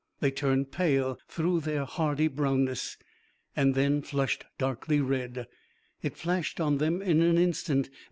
They turned pale through their hardy brownness, and then flushed darkly red. It flashed on them in an instant.